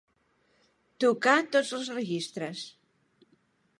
Tocar tots els registres.